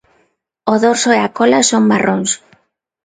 O dorso e a cola son marróns.